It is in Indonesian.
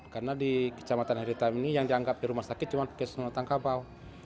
karena di kecamatan heritamin ini yang dianggap di rumah sakit cuma pekesunatan kabau